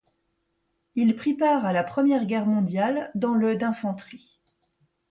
Il prit part à la Première Guerre mondiale dans le d'infanterie.